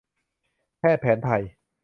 แพทย์แผนไทย